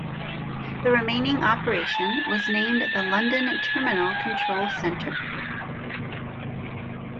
The remaining operation was named the London Terminal Control Centre.